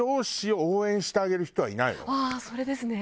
ああそれですね！